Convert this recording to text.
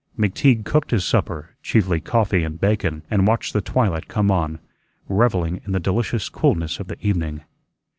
McTeague cooked his supper, chiefly coffee and bacon, and watched the twilight come on, revelling in the delicious coolness of the evening.